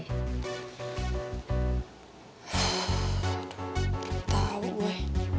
gak tau gue